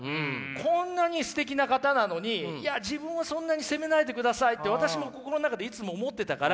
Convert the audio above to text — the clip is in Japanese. こんなにすてきな方なのにいや自分をそんなに責めないでくださいって私も心の中でいつも思ってたから。